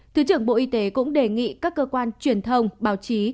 thứ trưởng bộ y tế cũng đề nghị các cơ quan truyền thông báo chí